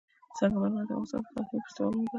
سنگ مرمر د افغانستان د فرهنګي فستیوالونو برخه ده.